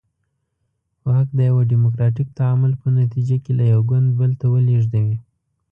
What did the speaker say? واک د یوه ډیموکراتیک تعامل په نتیجه کې له یو ګوند بل ته ولېږدوي.